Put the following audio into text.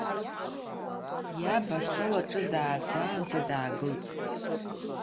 Иаб астол аҿы дааӡаанӡа даагылт.